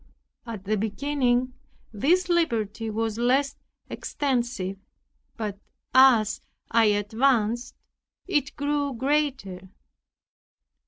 At the beginning, this liberty was less extensive; but as I advanced it grew greater.